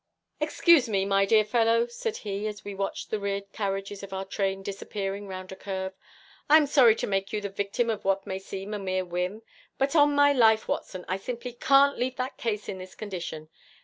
'Excuse me, my dear fellow,' said he, as we watched the rear carriages of our train disappearing round a curve, 'I am sorry to make you the victim of what may seem a mere whim, but on my life, Watson, I simply can't leave that case in this condition.